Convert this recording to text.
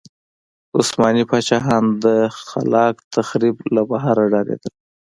عثماني پاچاهان د خلاق تخریب له بهیره ډارېدل.